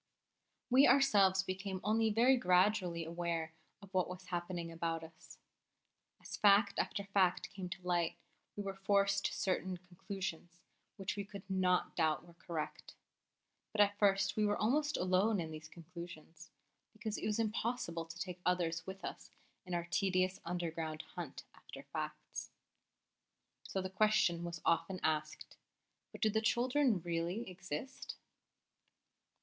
We ourselves became only very gradually aware of what was happening about us. As fact after fact came to light, we were forced to certain conclusions which we could not doubt were correct. But at first we were almost alone in these conclusions, because it was impossible to take others with us in our tedious underground hunt after facts. So the question was often asked: "But do the children really exist?"